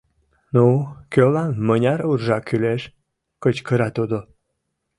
— Ну, кӧлан мыняр уржа кӱлеш? — кычкыра тудо.